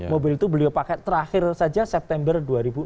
karena mobil itu beliau pakai terakhir saja september dua ribu enam belas